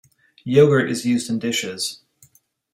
Yoghurt is used in dishes.